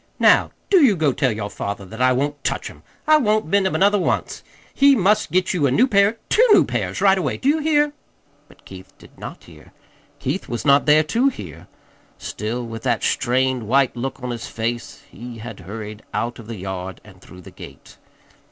Now, do you go tell your father that I won't touch 'em. I won't mend 'em another once. He must get you a new pair two new pairs, right away. Do you hear?" But Keith did not hear. Keith was not there to hear. Still with that strained, white look on his face he had hurried out of the yard and through the gate.